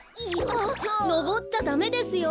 あっのぼっちゃダメですよ。